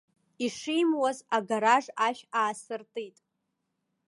Ишимуаз агараж ашә аасыртит.